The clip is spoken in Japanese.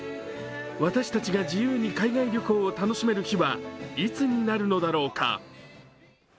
私たちが自由に海外旅行を楽しめる日はいつになるのだろうか。